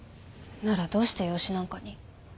ならどうして養子なんかに？